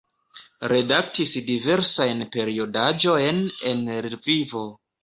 Redaktis diversajn periodaĵojn en Lvivo.